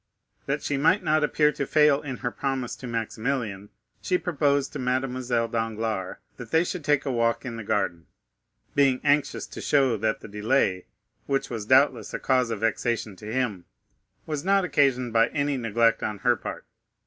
That she might not appear to fail in her promise to Maximilian, she proposed to Mademoiselle Danglars that they should take a walk in the garden, being anxious to show that the delay, which was doubtless a cause of vexation to him, was not occasioned by any neglect on her part.